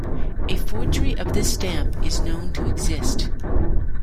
A forgery of this stamp is known to exist.